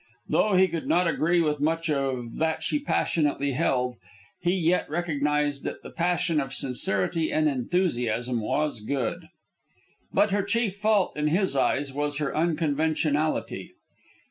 Though he could not agree with much that she passionately held, he yet recognized that the passion of sincerity and enthusiasm was good. But her chief fault, in his eyes, was her unconventionality.